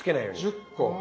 １０個。